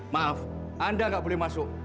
maaf anda nggak boleh masuk